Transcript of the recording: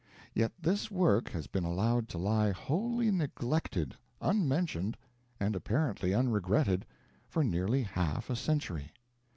Yet this work has been allowed to lie wholly neglected, unmentioned, and apparently unregretted, for nearly half a century.